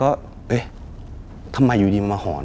เป็นเสียงหอนแทนแป๊บแจ๊ปแกรว่าทำไมอยู่ดีไม่มาหอน